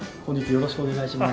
よろしくお願いします。